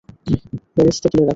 বেরেস্তা তুলে রাখুন।